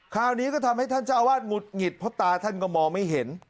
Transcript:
คราวนี้ก็ทำให้ท่านเจ้าอาวาสหงุดหงิดเพราะตาท่านก็มองไม่เห็น